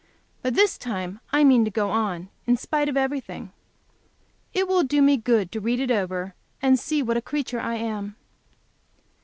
But this time I mean to go on, in spite of everything. It will do me good to read it over, and see what a creature I am.